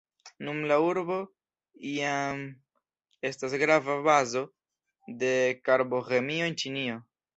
Nun la urbo jam estas grava bazo de Karbo-ĥemio en Ĉinio.